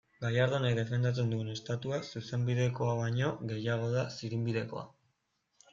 Gallardonek defendatzen duen Estatua, zuzenbidekoa baino, gehiago da zirinbidekoa.